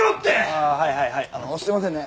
ああはいはいはいすいませんね。